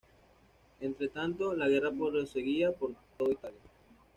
Entretanto, la guerra proseguía por todo Italia.